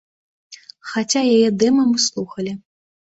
Хаця яе дэма мы слухалі.